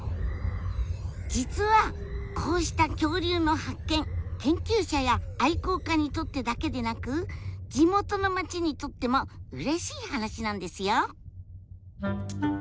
実はこうした恐竜の発見研究者や愛好家にとってだけでなく地元の町にとってもうれしい話なんですよ。